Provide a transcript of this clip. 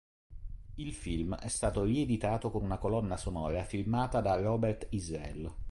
Il film è stato rieditato con una colonna sonora firmata da Robert Israel.